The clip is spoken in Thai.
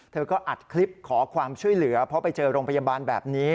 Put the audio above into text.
เธอก็อัดคลิปขอความช่วยเหลือเพราะไปเจอโรงพยาบาลแบบนี้